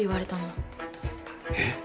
えっ？